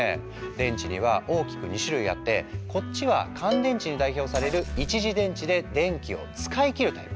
電池には大きく２種類あってこっちは乾電池に代表される「一次電池」で電気を使い切るタイプ。